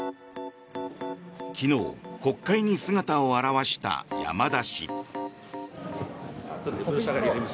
昨日、国会に姿を現した山田氏。